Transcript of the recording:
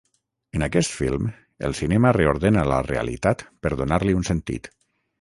En aquest film, el cinema reordena la realitat per donar-li un sentit.